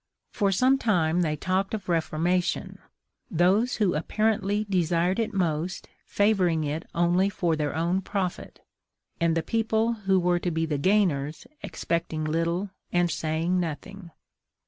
For some time they talked of reformation; those who apparently desired it most favoring it only for their own profit, and the people who were to be the gainers expecting little and saying nothing.